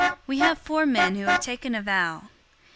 We have four men who have taken a vow.